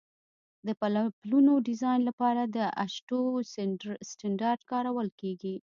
د پلونو ډیزاین لپاره د اشټو سټنډرډ کارول کیږي